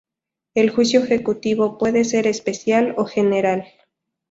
El juicio ejecutivo puede ser especial o general.